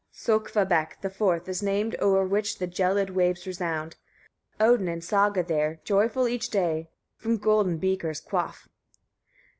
7. Sökkvabekk the fourth is named o'er which the gelid waves resound; Odin and Saga there, joyful each day, from golden beakers quaff.